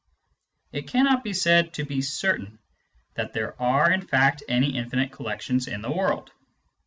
It cannot be said to be certain that there are in fact any infinite collections in the world.